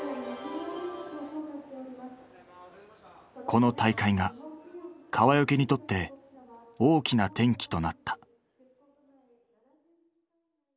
この大会が川除にとって大きな転機となった。